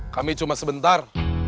kami cuma sebentar